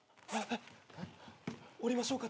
降りましょうか？